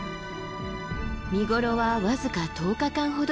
見頃は僅か１０日間ほど。